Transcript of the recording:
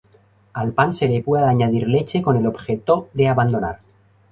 Al pan se le puede añadir leche, con el objeto de abandonar.